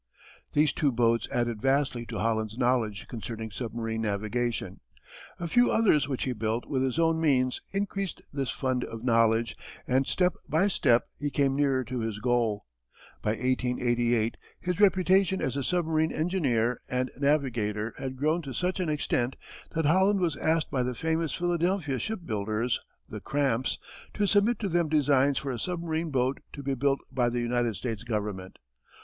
These two boats added vastly to Holland's knowledge concerning submarine navigation. A few others which he built with his own means increased this fund of knowledge and step by step he came nearer to his goal. By 1888 his reputation as a submarine engineer and navigator had grown to such an extent that Holland was asked by the famous Philadelphia shipbuilders, the Cramps, to submit to them designs for a submarine boat to be built by the United States Government.